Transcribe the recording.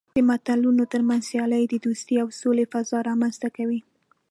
د ملتونو ترمنځ سیالۍ د دوستۍ او سولې فضا رامنځته کوي.